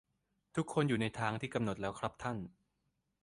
ทุกคนอยู่ในทางที่กำหนดแล้วครับท่าน